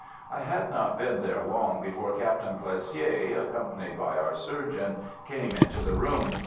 I had not been there long before Captain Plessier, accompanied by our surgeon, came into the room.